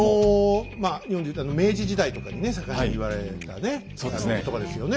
まあ日本で言ったら明治時代とかにね盛んに言われたね言葉ですよね。